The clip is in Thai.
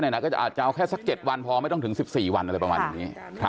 ไหนก็อาจจะเอาแค่สัก๗วันพอไม่ต้องถึง๑๔วันอะไรประมาณอย่างนี้